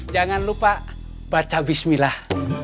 jangan lupa baca bismillah